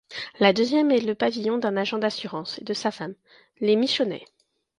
La deuxième est le pavillon d'un agent d'assurances et de sa femme, les Michonnet.